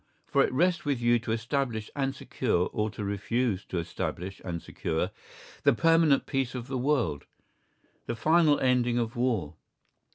For it rests with you to establish and secure or to refuse to establish and secure the permanent peace of the world, the final ending of war.